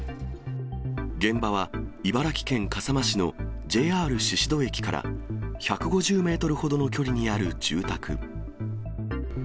現場は、茨城県笠間市のＪＲ宍戸駅から１５０メートルほどの距離にある住宅。